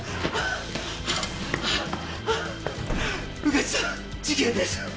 穿地さん事件です！